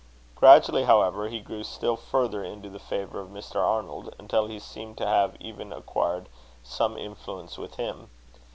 Gradually, however, he grew still further into the favour of Mr. Arnold, until he seemed to have even acquired some influence with him.